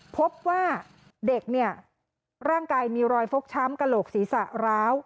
พบว่าเด็กเนี่ยร่างกายมีรอยฟกช้ำกระโหลกศีรษะร้าว